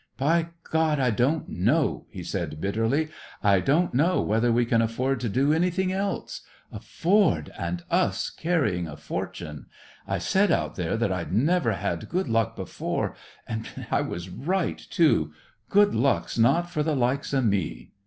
"By God, I don't know!" he said bitterly. "I don't know whether we can afford to do anything else. Afford! And us carrying a fortune! I said out there that I'd never had good luck before, and it was right, too. Good luck's not for the likes o' me."